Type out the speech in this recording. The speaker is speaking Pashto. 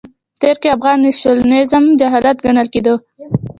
په تېر کې افغان نېشنلېزم جهالت ګڼل کېده.